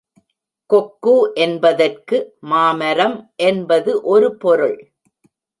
கொக்கு என்பதற்கு மாமரம் என்பது ஒரு பொருள்.